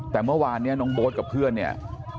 แต่เมื่อวานนี้น้องโบ๊ทกับเพื่อนเนี่ย